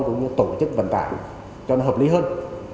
cũng như tổ chức vận tải cho nó hợp lý hơn